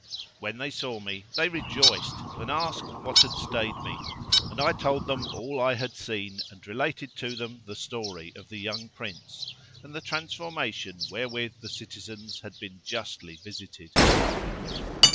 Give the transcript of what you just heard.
When they saw me they rejoiced and asked what had stayed me, and I told them all I had seen and related to them the story of the young Prince and the transformation wherewith the citizens had been justly visited.